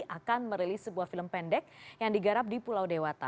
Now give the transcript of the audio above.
akan merilis sebuah film pendek yang digarap di pulau dewata